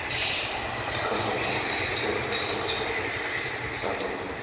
The cause of this disorder is unknown.